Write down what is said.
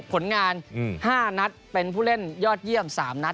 ผลงาน๕นัดเป็นผู้เล่นยอดเยี่ยม๓นัด